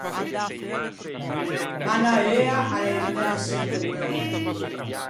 Manaeua a l’é uña de Çinque Tære.